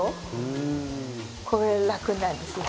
これが楽なんですよ。